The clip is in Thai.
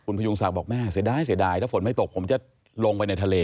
พยุงศักดิ์บอกแม่เสียดายเสียดายถ้าฝนไม่ตกผมจะลงไปในทะเล